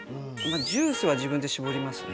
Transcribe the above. ジュースは自分で搾りますね。